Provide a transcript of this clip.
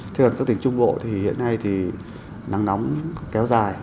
thế còn các tỉnh trung bộ thì hiện nay thì nắng nóng kéo dài